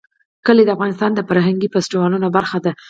کلي د افغانستان د فرهنګي فستیوالونو برخه ده.